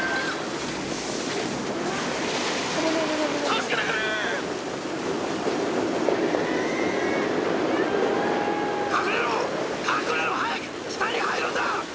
隠れろ早く下に入るんだ！